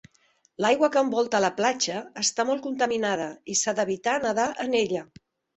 L'aigua que envolta la platja està molt contaminada, i s'ha d'evitar nadar en ella.